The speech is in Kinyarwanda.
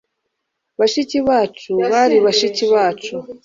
bashiki bacu bari bashiki bacu